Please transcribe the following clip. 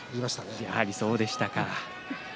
やはり、そうでしたか。